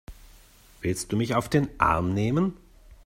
Willst du mich auf den Arm nehmen?